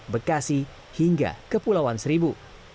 bekasi hingga kepulauan seribu